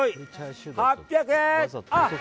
８００円！